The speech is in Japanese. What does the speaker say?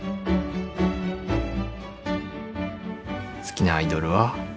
好きなアイドルは。